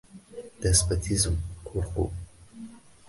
Despotizm — qo‘rquv.